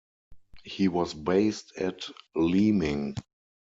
He was based at Leeming.